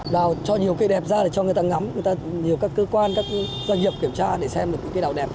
đào cho nhiều cây đẹp ra để cho người ta ngắm người ta nhiều các cơ quan các doanh nghiệp kiểm tra để xem được những cây đào đẹp